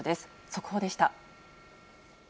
速報でした。